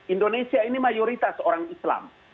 indonesia ini mayoritas orang islam